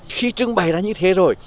khi trưng bày ra như thế rồi